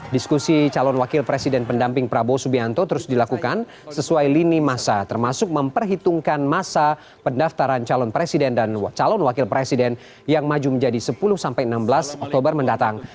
diskusi calon wakil presiden pendamping prabowo subianto terus dilakukan sesuai lini masa termasuk memperhitungkan masa pendaftaran calon presiden dan calon wakil presiden yang maju menjadi sepuluh enam belas oktober mendatang